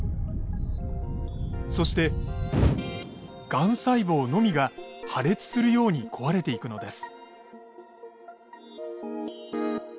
そしてがん細胞のみが破裂するように壊れていくのです。